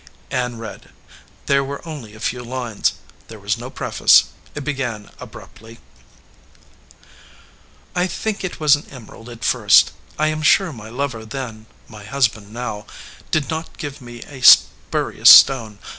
Ann read. There were only a few lines. There was no preface. It began abruptly: "I think it was an emerald at first. I am sure my lover then, my husband now, did not give me a spurious stone.